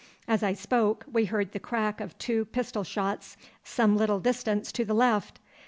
'As I spoke we heard the crack of two pistol shots some little distance to the left.